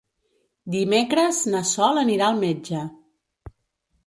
Dimecres na Sol anirà al metge.